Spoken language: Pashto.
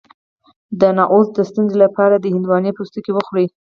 د نعوظ د ستونزې لپاره د هندواڼې پوستکی وخورئ